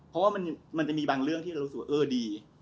เพราะว่ามันจะมีบางเรื่องที่เรารู้สึกว่าเออดี